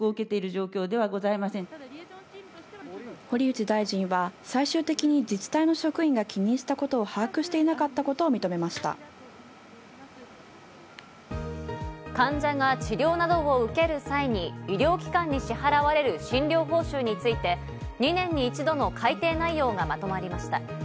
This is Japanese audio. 堀内大臣は最終的に自治体の職員が帰任したことを把握していなかったことを患者が治療などを受ける際に医療機関に支払われる診療報酬について、２年に一度の改定内容がまとまりました。